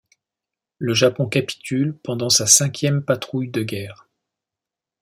Le Japon capitule pendant sa cinquième patrouille de guerre.